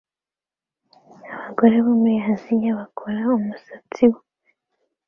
Abagore bo muri Aziya bakora umusatsi we